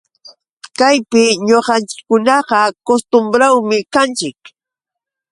Kaypi ñuqanchikkunaqa kustumbrawmi kanchik